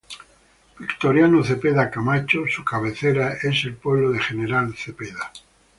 Victoriano Cepeda Camacho, su cabecera es el pueblo de General Cepeda.